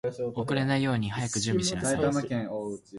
遅れないように早く準備しなさい